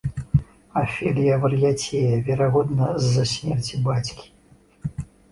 Афелія вар'яцее, верагодна з-за смерці бацькі.